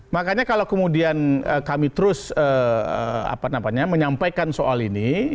makanya kalau kemudian kami terus menyampaikan soal ini